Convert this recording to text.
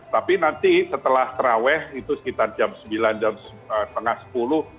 tapi nanti setelah terawih itu sekitar jam sembilan jam setengah sepuluh